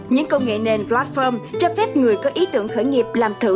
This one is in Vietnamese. những công nghệ nền platform cho phép người có ý tưởng khởi nghiệp